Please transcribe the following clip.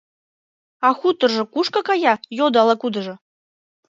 — А хуторжо кушко кая? — йодо ала-кудыжо.